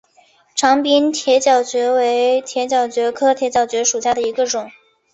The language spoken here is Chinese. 长柄铁角蕨为铁角蕨科铁角蕨属下的一个种。